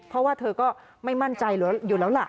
เพราะว่าเธอก็ไม่มั่นใจอยู่แล้วล่ะ